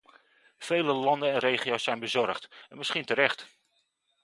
Vele landen en regio's zijn bezorgd en misschien terecht.